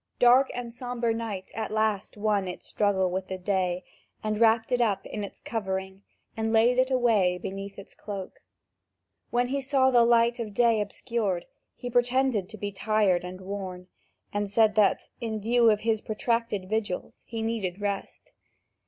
Dark and sombre night at last won its struggle with the day, and wrapped it up in its covering, and laid it away beneath its cloak. When he saw the light of day obscured, he pretended to be tired and worn, and said that, in view of his protracted vigils, he needed rest.